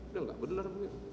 udah enggak bener